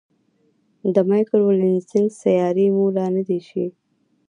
د مایکرو لینزینګ سیارې موندلای شي.